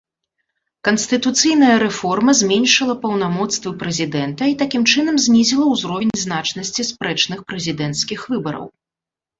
Канстытуцыйная рэформа зменшыла паўнамоцтвы прэзідэнта, і, такім чынам, знізіла ўзровень значнасці спрэчных прэзідэнцкіх выбараў.